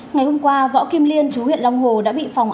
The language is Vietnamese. ngày hôm qua võ kim liên chú huyện long hồ đã bị phòng